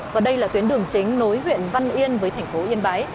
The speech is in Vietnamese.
và đây là tuyến đường chính nối huyện văn yên với thành phố yên bái